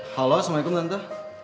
halo assalamualaikum tante